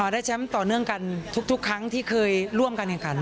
ได้แชมป์ต่อเนื่องกันทุกครั้งที่เคยร่วมการแข่งขัน